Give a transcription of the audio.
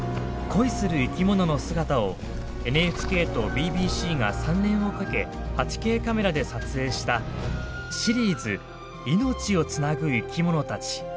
恋する生きものの姿をＮＨＫとＢＢＣが３年をかけ８Ｋカメラで撮影したシリーズ「命をつなぐ生きものたち」。